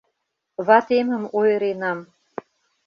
— Ватемым ойыренам...